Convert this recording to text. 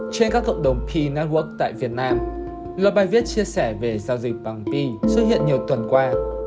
trên các cộng đồng pi network tại việt nam loại bài viết chia sẻ về giao dịch bằng pi xuất hiện nhiều tuần qua